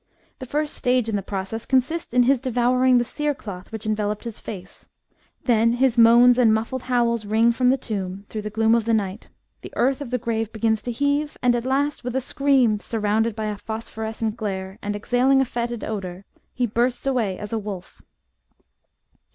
The first stage in the process consists in his devouring the cerecloth which enveloped his face ; then his moans and muffled howls ring from the tomb. 108 THE BOOK OF WERE WOLVES. through the gloom of night, the earth of the grave begins to heaye, and at last, with a scream, surrounded by a phosphorescent glare, and exhaling a foetid odour, he bursts away as a wolf.